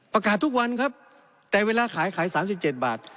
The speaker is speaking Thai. ประกาศทุกวันครับแต่เวลาขายขายสามสิบเจ็ดบาท